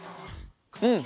うん。